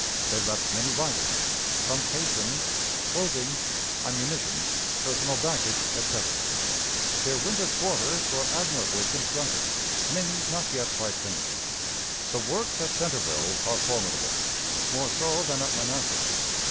They left many wagons, some caissons, clothing, ammunition, personal baggage, etc. Their winter quarters were admirably constructed, many not yet quite finished. The works at Centreville are formidable; more so than at Manassas.